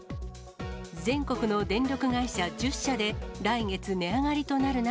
全国の電力会社１０社で、来月、値上がりとなる中。